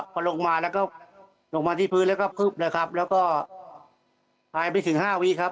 พอลงมาแล้วก็ลงมาที่พื้นแล้วก็แล้วก็ถ่ายไปถึงห้าวีครับ